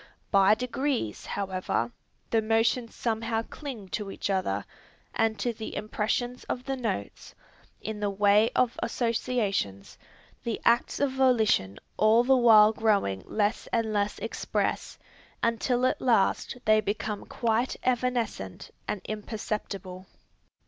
By degrees, however, the motions somehow cling to each other, and to the impressions of the notes, in the way of associations, the acts of volition all the while growing less and less express, until at last they become quite evanescent and imperceptible.